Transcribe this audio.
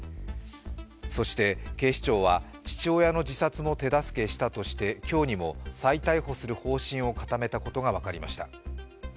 そして警視庁は、父親の自殺も手助けしたとして今日にも再逮捕する方針を固めたことが分かりました。